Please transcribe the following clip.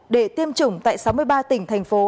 để tiêm chủng tại sáu mươi ba tỉnh thành phố